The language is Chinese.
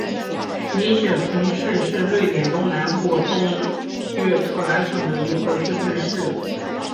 林雪平市是瑞典东南部东约特兰省的一个自治市。